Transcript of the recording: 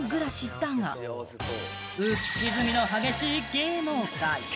だが、浮き沈みの激しい芸能界。